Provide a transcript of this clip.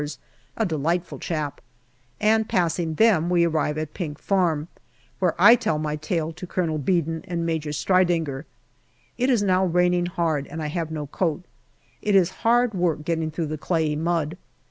's, a delight ful chap ; and passing them we arrive at Pink Farm, where I tell my tale to Colonel Beadon and Major Streidinger. It is now raining hard, and I have no coat. It is hard work getting through the clayey mud.